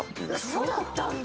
そうだったんだ。